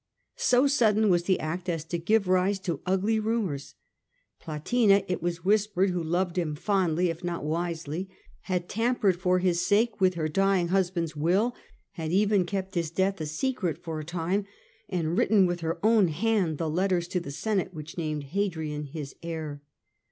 So sudden was the act as to give rise to ugly rumours. Plotina, it was whispered, who loved him fondly if not wisely, had tampered for his sake with her dying hus band's will, had even kept his death a secret for a time, and written with her own hand the letters to the Senate which named Hadrian his heir.